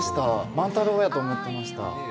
万太郎だと思っていました。